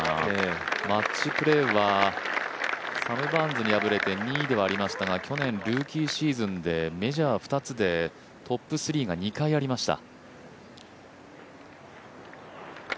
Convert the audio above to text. マッチプレーは、サム・バーンズに破れて２位ではありましたが去年、ルーキーシーズンでメジャー２つでトップ３が２回ありました。